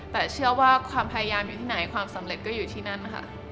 แต่เชื่อว่าความพยายามอยู่ที่ไหนความสำเร็จก็อยู่ที่นั่นค่ะ